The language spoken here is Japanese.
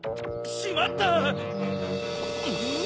しまった！